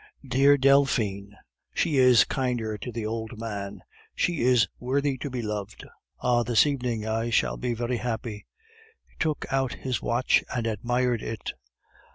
Dear Delphine! she is kinder to the old man; she is worthy to be loved. Ah! this evening I shall be very happy!" He took out his watch and admired it.